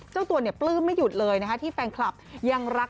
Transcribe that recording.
เจ้าตัวเนี่ยปลื้มไม่หยุดเลยนะคะที่แฟนคลับยังรัก